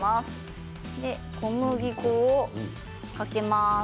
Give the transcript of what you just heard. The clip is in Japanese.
小麦粉をかけます。